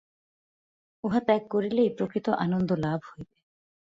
উহা ত্যাগ করিলেই প্রকৃত আনন্দ লাভ হইবে।